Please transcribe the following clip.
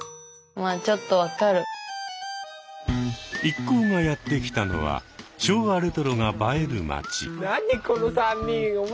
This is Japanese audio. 一行がやって来たのは昭和レトロが映える街。